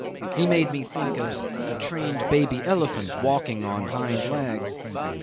He made me think of a trained baby elephant walking on hind legs.